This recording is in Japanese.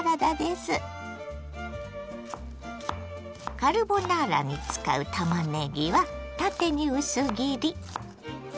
カルボナーラに使うたまねぎは縦に薄切り。